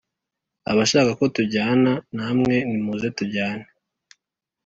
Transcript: Abashaka ko tujyana namwe nimuze tujyane